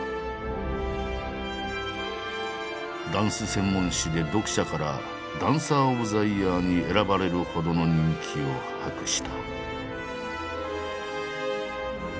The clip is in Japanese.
ダンス専門誌で読者から「ダンサー・オブ・ザ・イヤー」に選ばれるほどの人気を博した。